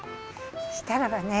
そしたらばね